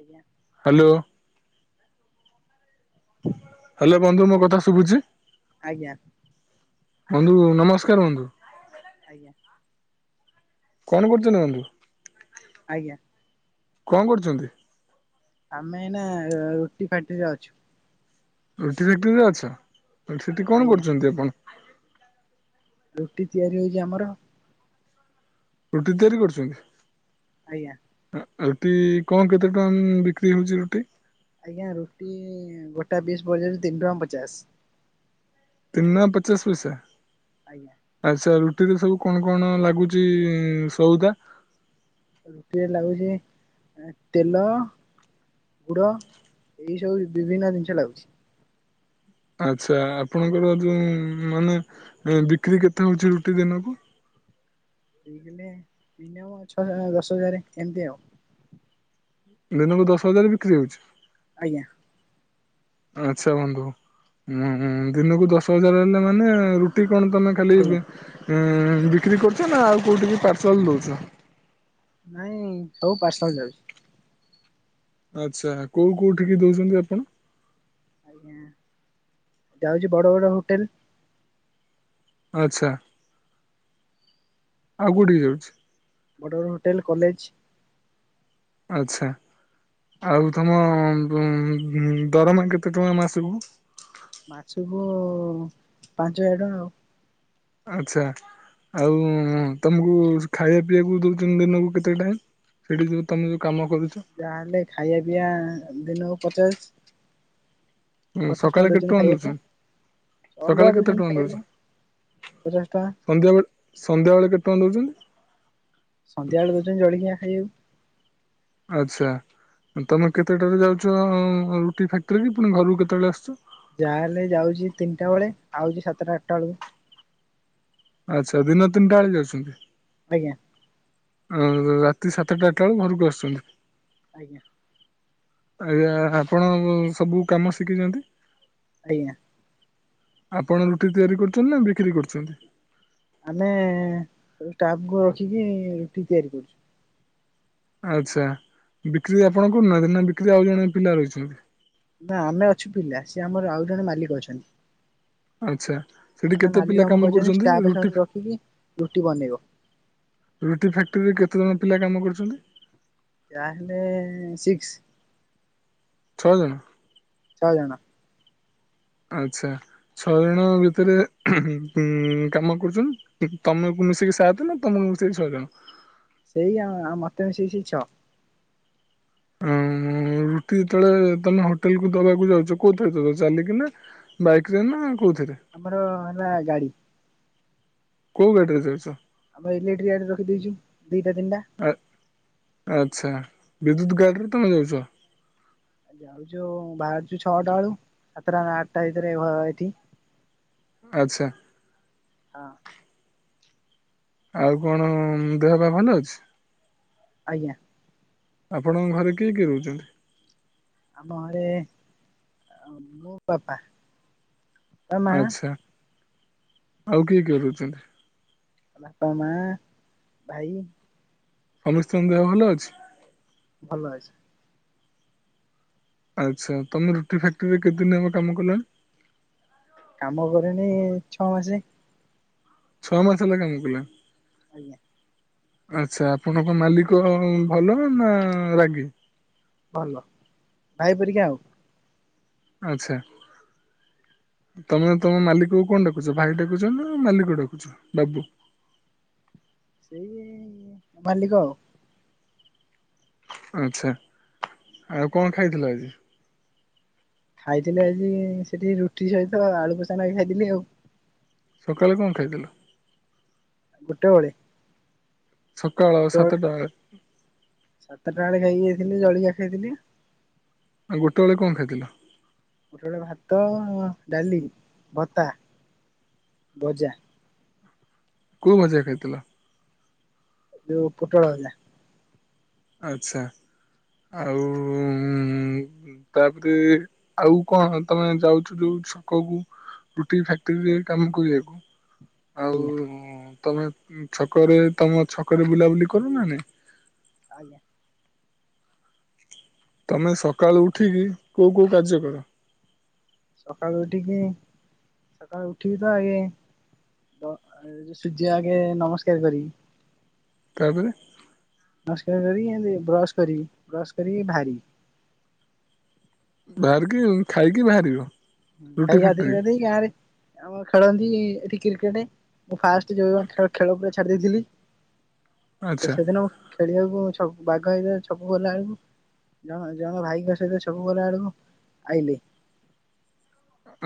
ଆଜ୍ଞା। Hello. Hello ବନ୍ଧୁ ମୋ କଥା ଶୁଭୁଛି? ଆଜ୍ଞା। ବନ୍ଧୁ ନମସ୍କାର ବନ୍ଧୁ। ଆଜ୍ଞା। କଣ କରୁଛନ୍ତି ବନ୍ଧୁ? ଆଜ୍ଞା। କଣ କରୁଛନ୍ତି? ଆମେ ଏଇନା ରୁଟି ଫ୍ୟାଟିରିରେ ଅଛୁ। ରୁଟି ଫେକ୍ଟ୍ରିରେ ଅଛ। ସେଠି କଣ ଆଜ୍ଞା କରୁଛନ୍ତି ଆପଣ? ରୁଟି ତିଆରି ହୋଉଛି ଆମର। ରୁଟି ତିଆରି କରୁଛନ୍ତି? ଆଜ୍ଞା। ରୁଟି କଣ କେତେ ଟଙ୍କା ବିକ୍ରି ହୋଉଛି ରୁଟି? ଆଜ୍ଞା ରୁଟି ଗୋଟା ପିଶ ପର୍ଯ ତିନି ଟଙ୍କା ପଚାଶ। ତିନି ଟଙ୍କା ପଚାଶ ପଇସା? ଆଜ୍ଞା। ଆଚ୍ଛା ରୁଟିରେ ସବୁ କଣ-କଣ ଲାଗୁଛି ସଉଦା? ରୁଟିରେ ଲାଗୁଛି ଏଁ ତେଲ। ଗୁଡ଼ ଏଇ ସବୁ ବିଭିନ୍ନ ଜିନିଷ ଲାଗୁଛି। ଆଛା ଆପଣଙ୍କର ଯୋଉ ମାନେ ବିକ୍ରି କେତେ ହୋଉଛି ରୁଟି ଦିନକୁ? ଦି ଦିନେ ଛଅ ଦଶ ହଜାର ଏମିତି ଆଉ। ଦିନକୁ ଦଶ ହଜାର ବିକ୍ରି ହୋଉଛି। ଆଜ୍ଞା। ଆଚ୍ଛା ବନ୍ଧୁ ଦିନକୁ ଦଶ ହଜାର ହେଲେ ମାନେ ରୁଟି କଣ ତମେ ଖାଲି ଆଜ୍ଞା ବିକ୍ରି କରୁଛ ନା ଆଉ କୋଉଠି ପାର୍ସଲ ଦୋଉଛ? ନାଇଁ ସବୁ ପାର୍ସଲ ଯାଉଛି। ଆଛା କୋଉ କୋଉଠିକି ଦୋଉଛନ୍ତି ଆପଣ? ଯାଉଛି ବଡ ବଡ ହୋଟେଲ। ଆଛା ଆଉ କୋଉଠିକି ଯାଉଛି? ବଡ଼ ବଡ଼ ହୋଟେଲ କଲେଜ। ଆଛା ଆଉ ତମ ଦରମା କେତେ ଟଙ୍କା ମାସକୁ? ମାସକୁ ପାଞ୍ଚ ହଜାର ଟଙ୍କା ଆଉ। ଆଛା ଆଉ ତମକୁ ଖାଇବା ପିଇବାକୁ ଦଉଛନ୍ତି ଦିନକୁ କେତେ ଟାଇମ୍? ସେଇଠି ଯେଉଁ ତୁମେ କାମ କରୁଛ। ଯାହାହେଲେ ଖାଇବା ପିଇଆ ଦିନକୁ ପଚାଶ। ପଚାଶ ସକାଳେ କେତେ ଦଉଛନ୍ତି ଟଙ୍କା ଖାଇବାକୁ। ଦଉଛନ୍ତି ଅଲଗା ସକାଳେ କେତେ ଦଉଛନ୍ତି ଟଙ୍କା ଖାଇବାକୁ ଦଉଛ? ପଚାଶ ଟଙ୍କା ସନ୍ଧ୍ୟାବେଳେ ସନ୍ଧ୍ୟାବେଳେ କେତେ ଟଙ୍କା ଦେଉଛନ୍ତି? ସନ୍ଧ୍ୟାବେଳେ ଦୋଉଛନ୍ତି ଜଳିଖିଆ ଖାଇବାକୁ। ଆଚ୍ଛା ହଁ ତମେ କେତେଟାରେ ଯାଉଛ ରୁଟି ଫ୍ୟାକ୍ଟ୍ରି କି ପୁଣି ଘରକୁ କେତେବେଳେ ଆସୁଛ? ଯାହାହେଲେ ଯାଉଛି ତିନିଟା ବେଳେ ଆଉଛି ସାତଟା ଆଠଟା ବେଳକୁ। ଆଚ୍ଛା ଦିନ ତିନିଟା ବେଳେ ଯାଉଛନ୍ତି। ଆଜ୍ଞା। ଅ ଦ ରାତି ସାତଟା ଆଠଟା ବେଳକୁ ଘରକୁ ଆସୁଛନ୍ତି। ଆଜ୍ଞା। ଆଜ୍ଞା ଆପଣ ସବୁ କାମ ଶିଖିଛନ୍ତି? ଆଜ୍ଞା। ଆପଣ ରୁଟି ତିଆରି କରୁଛନ୍ତି ନା ବିକ୍ରି କରୁଛନ୍ତି? ଆମେ ସବୁ ଷ୍ଟାପ୍‌ ଙ୍କୁ ରଖିକି ରୁଟି ତିଆରି କରୁଛୁ। ଆଚ୍ଛା ବିକ୍ରି ଆପଣ କରୁନାହାନ୍ତି ନା ବିକ୍ରି ଆଉ ଜଣେ ପିଲା ରହିଛନ୍ତି? ନା ଆମେ ଅଛୁ ପିଲା ସେ ଆମର ଆଉ ଜଣେ ମାଲିକ ଅଛନ୍ତି। ଆଚ୍ଛା। ସେଠି ମାନେ କେତେ ପିଲା ମାଲିକ ଆମକୁ କାମ କହିଛନ୍ତି କରୁଛନ୍ତି ଷ୍ଟାପ ରୁଟି [unintelligible] ରଖିକି ରୁଟି ବନେଇବ। ରୁଟି ଫ୍ୟାକ୍ଟ୍ରିରେ କେତେଜଣ ପିଲା କାମ କରୁଛନ୍ତି? ଯାହା ହେଲେ ସିକ୍ସ। ଛଅ ଜଣ। ଛ ଜଣ। ଆଛା ଛଅ ଜଣ ଭିତରେ ଉଁ ହୁଁ ହୁଁ କାମ କରୁଛନ୍ତି? ହୁଁ ହୁଁ ତମକୁ ମିଶେଇକି ସାତେ ନା ତମକୁ ମିସେଇକି ଛଅ ଜଣ? ସେଇଆ ଆ ମତେ ମିସେଇ କି ସେଇ ଛଅ। ହଁ ମ ରୁଟି ଯେତେବେଳେ ତମେ ହୋଟେଲ କୁ ଦବାକୁ ଯାଉଛ କୋଉଥିରେ ଦୋଉଛ ଚାଲିକିନା ବାଇକ୍ ରେ ନା କୋଉଥିରେ? ଆମର ହେଲା ଗାଡି଼। କୋଉ ଗାଡ଼ିରେ ଯାଉଛ? ଆମେ ଇଲେକ୍ଟ୍ରି ଗାଡ଼ି ରଖି ଦେଇଛୁ ଦିଟା ତିନିଟା। ଆ ଆଚ୍ଛା ବିଦ୍ୟୁତ ଗାଡ଼ିରେ ତମେ ଯାଉଛ? ଆ ଯାଉଛୁ ବାହାରୁଛୁ ଛଅଟା ବେଳୁ ସାତଟା ଆଠଟା ଭିତରେ ଘ ଏଠି। ଆଚ୍ଛା। ହଁ। ଆଉ କଣ ଦେହ ପା ଭଲ ଅଛି? ଆଜ୍ଞା। ଆପଣଙ୍କ ଘରେ କିଏ କିଏ ରହୁଛନ୍ତି? ଆମ ଘରେ ଅ ମୁଁ ବାପା। ବା ମା ଆଚ୍ଛା ଆଉ କିଏ କିଏ ରହୁଛନ୍ତି? ବାପା ମା ଭାଇ। ସମସ୍ତଙ୍କ ଦେହ ଭଲ ଅଛି? ଭଲ ଅଛି। ଆଚ୍ଛା ତମେ ରୁଟି ଫ୍ୟାକ୍ଟ୍ରିରେ କେତେଦିନ ହବ କାମ କଲଣି? କାମ କରିନି ଛଅ ମାସେ। ଛଅ ମାସ ହେଲା କାମ କଲଣି? ଆଜ୍ଞା। ଆଚ୍ଛା ଆପଣଙ୍କ ମାଲିକ ଭଲ ନା ରାଗି? ଭଲ ଭାଇ ପରିକା ଆଉ। ଆଚ୍ଛା। ତମେ ତମ ମାଲିକ କୁ କଣ ଡାକୁଛ ଭାଇ ଡାକୁଛ ନା ମାଲିକ ଡାକୁଛ ବାବୁ? ସେଇ ମାଲିକ ଆଉ। ଆଛା ଆଉ କଣ ଖାଇଥିଲ ଆଜି? ଖାଇଥିଲେ ଆଜି ସେଠି ରୁଟି ସହିତ ଆଳୁ କଷା ନଗେଇ ଖାଇଥିଲି ଆଉ। ସକାଳେ କଣ ଖାଇଥିଲ? ଗୋଟେ ବେଳେ? ସକାଳ ସାତଟା ବେଳେ। ସାତଟା ବେଳେ ଖାଇକି ଯାଇଥିଲି ଜଳିଖିଆ ଖାଇଥିଲି। ଆଉ ଗୋଟେବେଳେ କଣ ଖାଇଥିଲ? ଗୋଟେ ବେଳେ ଭାତ, ଡାଲି, ଭତା, ଭଜା। କଉ ଭଜା ଖାଇଥିଲ? ଯୋଉ ପୁଟଳଭଜା। ଆଚ୍ଛା ଆଉ ହମ୍ ତାପରେ ଆଉ କଣ ତମେ ଯାଉଛ ଯୋଉ ଛକ କୁ ରୁଟି ଫ୍ୟାକ୍ଟ୍ରି ରେ କାମ କରିବାକୁ ଆଉ ଆଜ୍ଞା ତମେ ଛକରେ ତମ ଛକରେ ବୁଲାବୁଲି କରନା ନାଇ? ଆଜ୍ଞା। ତମେ ସକାଳୁ ଉଠିକି କୋଉ କୋଉ କାର୍ଯ୍ୟ କର? ସକାଳୁ ଉଠିକି ସକାଳୁ ଉଠିବି ତ ଆଗେ ଦ ସୂର୍ଯ୍ୟ ଆଗେ ନମସ୍କାର କରିବି। ତାପରେ? ନମସ୍କାର କରିକି ଏମିତି ବ୍ରସ କରିବି ବ୍ରସ୍ କରିକି ବାହାରିବି। ବାହାରିକି ଖାଇକି ବାହାରିବ? ରୁଟି ଖାଇ ଗାଧେଇ ଫ୍ୟାକ୍ଟ୍ରି ପାଧେଇ ଗାଁରେ ଆମ ଖେଳନ୍ତି ଏଠି କ୍ରିକେଟ। ମୁଁ ଫାଷ୍ଟ ଯଉ ଖେ-ଖେଳ ପୁରା ଛାଡି ଦେଇଥିଲି ସେ-ସେ ଆଚ୍ଛା ସେଦିନ ମୁ ଖେଳିବାକୁ ଛ ବାଘ ହେଇଥାଏ ଛକ କୁ ଗଲା ବେଳକୁ ଜଣ ଜଣ ଭାଇଙ୍କ ସହିତ ସବୁବେଲା ବଡ଼କୁ ଆଇଲି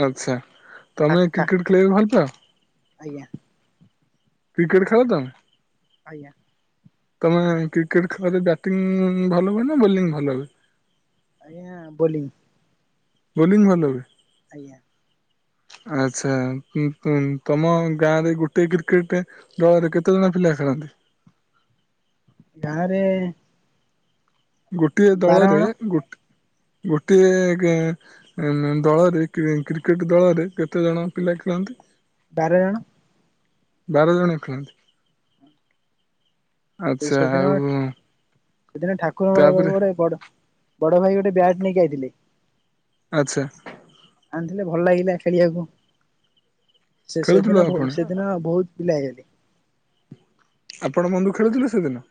ଆଚ୍ଛା ଠା ତମେ ଠା କ୍ରିକେଟ ଖେଳିବାକୁ ଭଲ ପାଅ? ଆଜ୍ଞା। କ୍ରିକେଟ ଖେଳ ତମେ? ଆଜ୍ଞା। ତମେ କ୍ରିକେଟ ଖେଳରେ ବ୍ୟାଟିଂ ଭଲ ହୁଏ ନା ବୋଲିଂ ଭଲ ହୁଏ? ଆଜ୍ଞା ବୋଲିଂ। ବୋଲିଂ ଭଲ ହୁଏ। ଆଜ୍ଞା। ଆଚ୍ଛା ଉ ଉ ଉ ତମ ଗାଁରେ ଗୋଟେ କ୍ରିକେଟେ ଡ୍ରରେ କେତେଜଣ ପିଲା ଖେଳନ୍ତି? ଗାଁରେ ଗୋଟିଏ ବାର ଦଳରେ ଜଣ ଗୋଟ୍-ଗୋଟିଏ ଗେଁ ଦଳରେ କ୍ରିକେଟ ଦଳରେ କେତେ ଜଣ ପିଲା ଖେଳନ୍ତି? ବାର ଜଣ। ବାର ଜଣ ଖେଳନ୍ତି? ଆଚ୍ଛା ସେଦିନ ଆଉ ସେଦିନ ଠାକୁର ବେଳ ତାପରେ ଗୋଟେ ବଡ ବଡ ଭାଇ ଗୋଟେ ବ୍ୟାଟ୍ ନେଇକି ଆଇଥିଲେ। ଆଚ୍ଛା। ଆଣିଥିଲେ ଭଲ ଲାଗିଲା ଖେଳିବାକୁ ଖେଳୁଥିଲୁ ସେ-ସେଦିନ ଆପଣ ସେଦିନ ବହୁତ ପିଲା ହେଇଗଲେ। ଆପଣ ବନ୍ଧୁ ଖେଳୁଥିଲେ ସେଦିନ?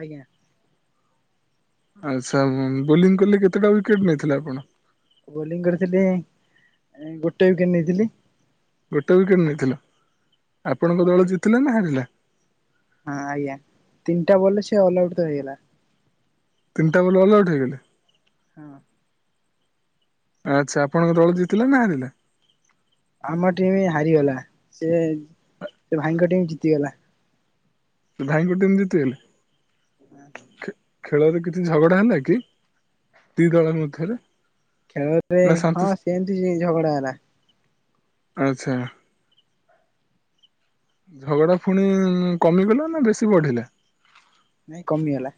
ଆଜ୍ଞା। ଆଚ୍ଛା ବୋଲିଂ କଲେ କେତେଟା ୱିକେଟ୍ ନେଇଥିଲେ ଆପଣ? ବୋଲିଂ କରିଥିଲି ଗୋଟେ ୱିକେଟ ନେଇଥିଲି। ଗୋଟେ ୱିକେଟ୍ ନେଇଥିଲ ଆପଣଙ୍କ ଦଳ ଜିତିଲା ନା ହାରିଲା? ହଁ ଆଜ୍ଞା ତିନିଟା ବଲ ଅଛି ଅଲ ଆଉଟ୍ ତ ହେଇଗଲା। ତିନଟା ବ ଅଲ ଆଉଟ ହେଇଗଲେ। ହଁ। ଆଚ୍ଛା ଆପଣଙ୍କ ଦଳ ଜିତିଲା ନା ହାରିଲା? ଆମ ଟିମି ହାରିଗଲା ସେ ସେ ଭାଇଙ୍କ ଟିମ୍ ଜିତିଗଲା। ଭାଇଙ୍କ ଟିମ୍ ଜିତିଗଲେ। ଖେଳରେ କିଛି ଝଗଡ଼ା ହେଲାକି ଦି ଦଳ ମଧ୍ୟରେ? ଖେଳରେ ନା ଶାନ୍ତି ହଁ ସେନ୍ତି ଝଗଡ଼ା ହେଲା। ଆଚ୍ଛା। ଝଗଡ଼ା ପୁଣି କମିଗଲା ନା ବେଶୀ ବଢ଼ିଲା? ନାଇଁ କମିଗଲା।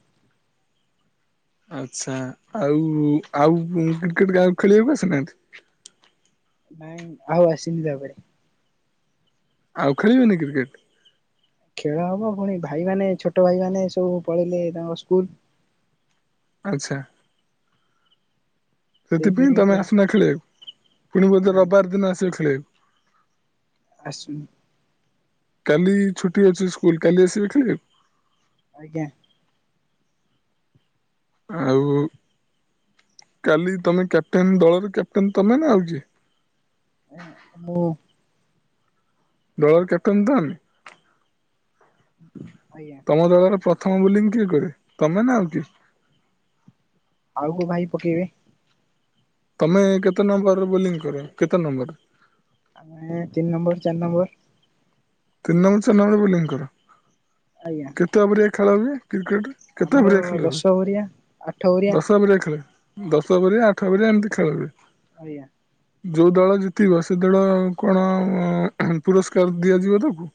ଆଚ୍ଛା ଆଉ ଆଉ କ୍ରିକେଟ କା ଖେଳିବାକୁ ଆସିନାହାନ୍ତି? ନାଇଁ ଆଉ ଆସିନି ତାପରେ। ଆଉ ଖେଳିବନି କିରକେଟ? ଖେଳ ହବ ପୁଣି ଭାଇମାନେ ଛୋଟ ଭାଇ ମାନେ ସବୁ ପଳେଇଲେ ତାଙ୍କ ସ୍କୁଲ। ଆଚ୍ଛା। ସେଥିପାଇଁ ସେଇଥିପାଇଁ ତମେ ପୁରା ଆସନା ଖେଳେବା ପୁଣି ବୋଧେ ନାଇଁ ରବିବାର ଦିନ ଆସିବ ଖେଳିବାକୁ। ଆସୁ କାଲି ଛୁଟି ଅଛି ସ୍କୁଲ କାଲି ଆସିବେ ଖେଳିଆ ଆଜ୍ଞା। ଆଉ କାଲି ତମେ କ୍ୟାପ୍ଟେନ୍ ଦଳରେ କ୍ୟାପ୍ଟେନ୍ ତମେ ନା ଆଉ କିଏ? ଏଁ ମୁଁ ଦଳର କ୍ୟାପଟେନ ତ ଆଜ୍ଞା ତମ ଦଳର ପ୍ର ଥମ ବୋଲିଂ କିଏ କରେ ତମେ ନା ଆଉ କିଏ? ଆଉ କୋଉ ଭାଇ ପକେଇବେ। ତମେ କେତେ ନମ୍ବରରେ ବୋଲିଂ କର କେତେ ନମ୍ବର? ଆମେ ତିନି ନମ୍ବର ଚାରି ନମ୍ବର। ତିନି ନମ ଚାରି ନମରେ ବୋଲିଂ କର। ଆଜ୍ଞା। କେତେ ଅବରିଆ ଖେଳ ହୁଏ କ୍ରିକେଟ କେତେ ଆମର ଅଭରିଆ ଖେଳ ହୁଏ ଦଶ ଓରିଆ ଆଠ ଓରିଆ ଦଶ ବରିଆ ଖେଳ। ଦଶ ଓଭରିଆ ଆଠ ଓଭରିଆ ଏମିତି ଖେଳ ହୁଏ। ଆଜ୍ଞା। ଯୋଉ ଦଳ ଜିତିବ ସେ ଦଳ କଣ ପୁରସ୍କାର ଦିଆଯିବ ତ? ହଁ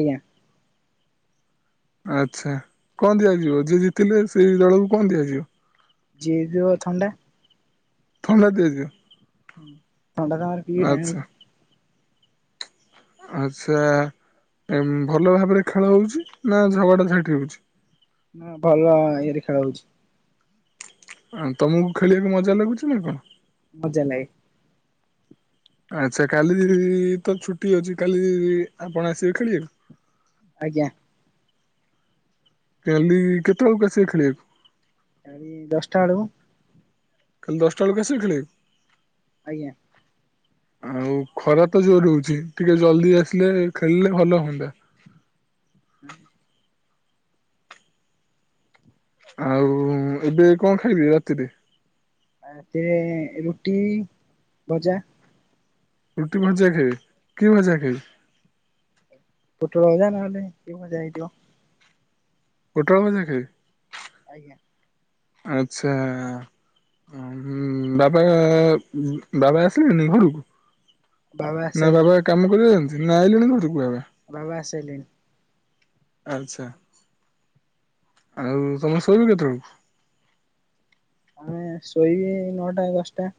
ଆଜ୍ଞା। ଆଚ୍ଛା କଣ ଦିଆଯିବ ଯିଏ ଜିତିଲେ ସେଇ ଦଳକୁ କଣ ଦିଆଯିବ? ଜିଏ ଜିବ ଥଣ୍ଡା। ଥଣ୍ଡା ଦିଆଯିବ। ଥଣ୍ଡା ତାଙ୍କର ପିଇବେ ଆଚ୍ଛା ଆଣିକି। ଆଚ୍ଛା ଭଲ ଭାବରେ ଖେଳ ହଉଛି ନା ଝଗଡ଼ା ଝାଣ୍ଟି ହେଉଛି? ନା ଭଲ ଇଏରେ ଖେଳ ହଉଛି। ଅ ତମକୁ ଖେଳିବାକୁ ମଜା ଲାଗୁଛି ନା କଣ? ମଜା ଲାଗେ। ଆଚ୍ଛା କାଲି ତ ଛୁଟି ଅଛି କାଲି ଆପଣ ଆସିବେ ଖେଳିବାକୁ? ଆଜ୍ଞା। କାଲି କେତେବେଳକୁ ଆସିବେ ଖେଳିବାକୁ? ଦଶଟା ବେଳୁକୁ। କାଲି ଦଶଟା ବଳକୁ ଆସିବେ ଖେଳିବାକୁ। ଆଜ୍ଞା। ଆଉ ଖରା ତ ଯୋରେ ହଉଛି ଟିକେ ଜଲଦି ଆସିଲେ ଖେଳିଲେ ଭଲ ହୁଅନ୍ତା। ହୁଁ। ଆଉ ଏବେ କଣ ଖାଇବି ରାତିରେ। ରାତିରେ ରୁଟି ଭଜା। ରୁଟି ଭଜା ଖାଇବେ କି ଭଜା ଖାଇବେ? ପୋଟଳ ଭଜା ନହେଲେ କିଏ ଭଜା ହେଇଥିବ। ପୋଟଳ ଭଜା ଖାଇବେ। ଆଜ୍ଞା। ଆଛା। ଉ ବାବା ବାବା ଆସିଲେନି ଘରକୁ? ବାବା ଆସି ନା ବାବା କାମ କରନ୍ତି ନା ଆଇଲେଣି ଘରକୁ ବାବା? ବାବା ଆସି ସାରିଲେଣି? ଆଚ୍ଛା। ଆଉ ତମେ ଶୋଇବ କେତେବେଳକୁ? ଆମେ ଶୋଇବି ନଅଟା ଦଶଟା।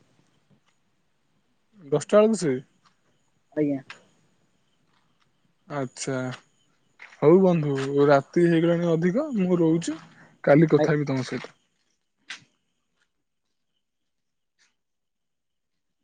ଦଶଟା ଆଳକୁ ଶୋଇବେ? ଆଜ୍ଞା। ଆଛା ହଉ ବନ୍ଧୁ ରାତି ହେଇଗଲାଣି ଅଧିକ ମୁଁ ରହୁଛି। କାଲି କଥା ହେବି ତମ ସହିତ।